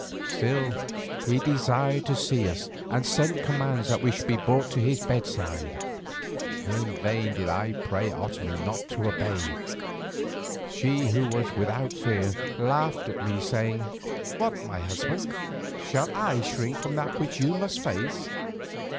Still, he desired to see us, and sent commands that we should be brought to his bedside. In vain did I pray Otomie not to obey; she, who was without fear, laughed at me, saying, "What, my husband, shall I shrink from that which you must face?